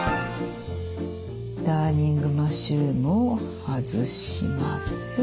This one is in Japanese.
ダーニングマッシュルームを外します。